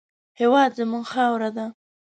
هېواد زموږ خاوره ده